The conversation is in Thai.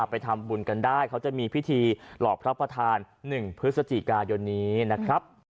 ไปทำบุญกันได้เขาจะมีพิธีหลอกพระประธาน๑พฤศจิกายนนี้นะครับ